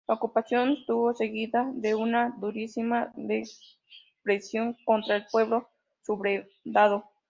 La ocupación estuvo seguida de una durísima represión contra el pueblo sublevado.